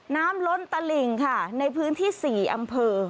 ล้นตลิ่งค่ะในพื้นที่๔อำเภอ